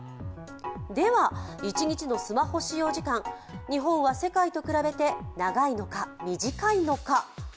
では、一日のスマホ使用時間日本は世界と比べて長いのか短いのか。